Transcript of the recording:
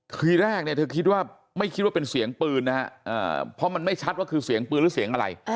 ทีแรกเนี่ยเธอคิดว่าไม่คิดว่าเป็นเสียงปืนนะฮะเพราะมันไม่ชัดว่าคือเสียงปืนหรือเสียงอะไร